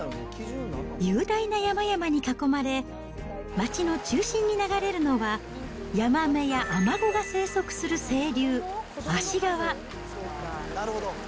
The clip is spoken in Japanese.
雄大な山々に囲まれ、町の中心に流れるのは、ヤマメやアマゴが生息する清流、芦川。